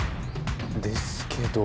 ですけど。